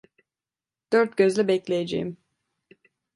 Dört gözle bekleyeceğim.